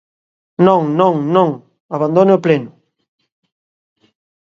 Non, non, non, abandone o pleno.